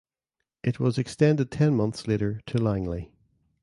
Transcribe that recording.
It was extended ten months later to Langley.